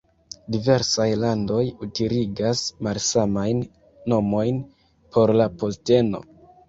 Diversaj landoj utiligas malsamajn nomojn por la posteno.